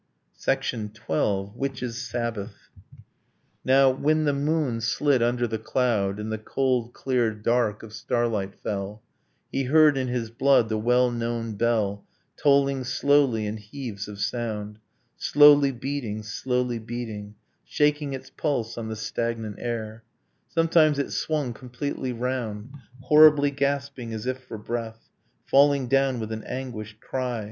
XII. WITCHES' SABBATH Now, when the moon slid under the cloud And the cold clear dark of starlight fell, He heard in his blood the well known bell Tolling slowly in heaves of sound, Slowly beating, slowly beating, Shaking its pulse on the stagnant air: Sometimes it swung completely round, Horribly gasping as if for breath; Falling down with an anguished cry